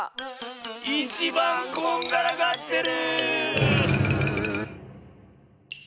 いちばんこんがらがってる！